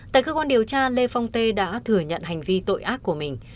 tại cơ quan điều tra lê phong tê đã thừa nhận hành vi tội ác của mình